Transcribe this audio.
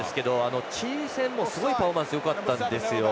チリ戦もすごいパフォーマンスがよかったんですよ。